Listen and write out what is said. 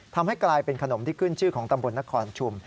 ทำให้กลายเป็นขนมที่ขึ้นชื่อของตำบลนครชุม